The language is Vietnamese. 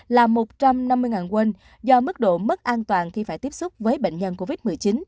là một trăm năm mươi won do mức độ mất an toàn khi phải tiếp xúc với bệnh nhân covid một mươi chín